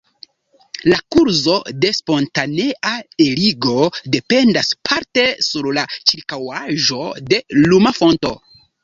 La kurzo de spontanea eligo dependas parte sur la ĉirkaŭaĵo de luma fonto.